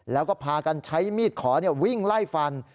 แล้วก็พากันใช้มีดขอวิ่งไล่ฟัน